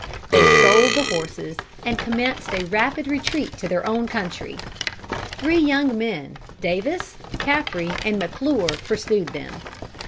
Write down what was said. They stole the horses, and commenced a rapid retreat to their own country. Three young men, Davis, Caffre and McClure, pursued them.